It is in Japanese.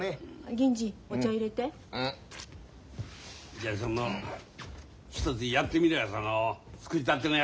じゃあそのひとつやってみろよその作りたてのやつをよ。